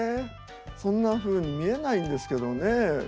そんなふうに見えないんですけどね。